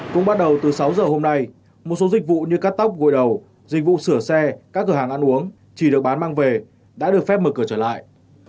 cũng bắt đầu từ sáu giờ hôm nay một số dịch vụ như cắt tóc gội đầu dịch vụ sửa xe các cửa hàng ăn uống chỉ được bán mang về đã được phép mở cửa trở lại